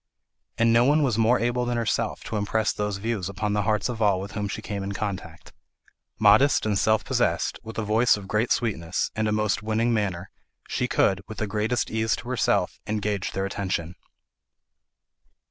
And no one was more able than herself to impress those views upon the hearts of all with whom she came in contact. Modest and self possessed, with a voice of great sweetness, and a most winning manner, she could, with the greatest ease to herself, engage their attention.